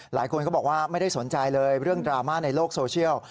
หลายคนก็บอกว่าไม่ได้สนใจเลยเรื่องดราม่าในโลกโซเชียล